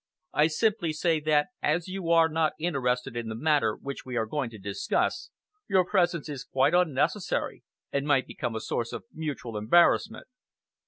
I simply say that as you are not interested in the matter which we are going to discuss, your presence is quite unnecessary, and might become a source of mutual embarrassment."